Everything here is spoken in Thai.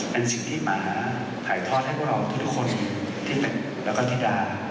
เป็นสิ่งที่หมาถ่ายทอดให้พวกเราทุกคนที่เป็นแล้วก็ธิดา